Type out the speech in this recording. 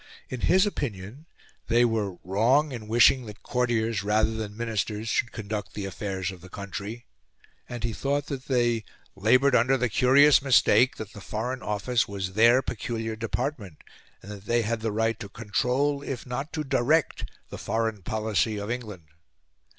In his opinion, they were "wrong in wishing that courtiers rather than Ministers should conduct the affairs of the country," and he thought that they "laboured under the curious mistake that the Foreign Office was their peculiar department, and that they had the right to control, if not to direct, the foreign policy of England."